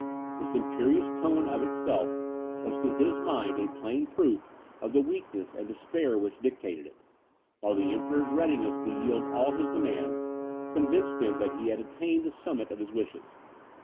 This imperious tone of itself, was to his mind a plain proof of the weakness and despair which dictated it, while the Emperor's readiness to yield all his demands, convinced him that he had attained the summit of his wishes.